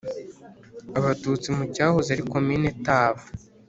Abatutsi mu cyahoze ari Komini Taba